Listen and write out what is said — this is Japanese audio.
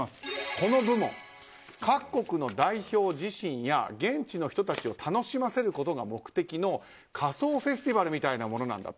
この部門、各国の代表自身や現地の人たちを楽しませることが目的の仮装フェスティバルのようなものなんだと。